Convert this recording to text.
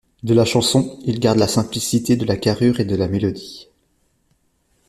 De la chanson, il garde la simplicité de la carrure et de la mélodie.